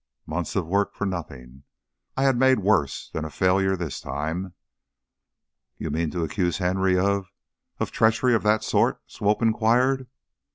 Months of work for nothing! I had made worse than a failure this time." "You mean to accuse Henry of of treachery of that sort?" Swope inquired.